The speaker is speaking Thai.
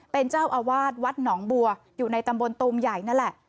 เป็นเจ้าอาวาสวัดหนองบัวอยู่ในตำบลตูมใหญ่นั่นแหละ